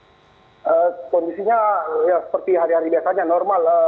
kondisinya seperti hari hari biasanya normal